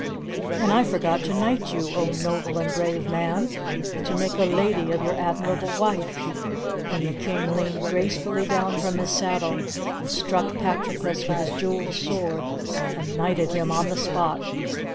"And I forgot to knight you, oh, noble and brave man, and to make a lady of your admirable wife!" Then the King leaned gracefully down from his saddle, and struck Patroclus with his jeweled sword and knighted him on the spot.